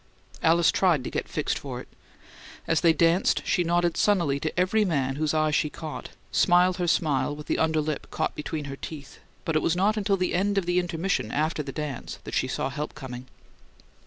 Alice tried to get fixed for it. As they danced she nodded sunnily to every man whose eye she caught, smiled her smile with the under lip caught between her teeth; but it was not until the end of the intermission after the dance that she saw help coming.